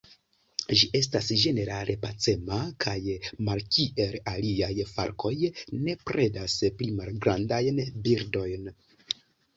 Ĝi estas ĝenerale pacema kaj malkiel aliaj falkoj ne predas pli malgrandajn birdojn.